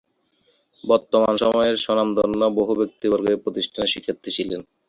বর্তমান সময়ের স্বনামধন্য বহু ব্যক্তিবর্গ এই প্রতিষ্ঠানের শিক্ষার্থী ছিলেন।